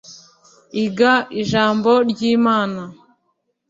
IGA IJAMBO RY IMANA